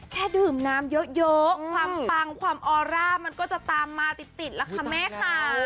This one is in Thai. แค่ดื่มน้ำเยอะความปังความออร่ามันก็จะตามมาติดแล้วค่ะแม่ค่ะ